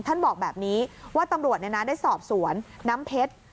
ท่านบอกแบบนี้ว่าตำรวจได้สอบสวนน้ำเพชร